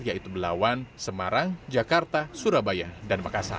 yaitu belawan semarang jakarta surabaya dan makassar